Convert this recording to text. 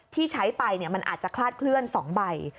ที่ใช้ไปมันอาจจะคลาดเคลื่อน๒ใบ